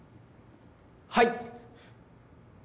はい！